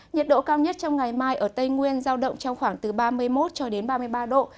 nhiệt độ cao nhất trong ngày mai ở tây nguyên giao động trong khoảng từ ba mươi một cho đến ba mươi ba độ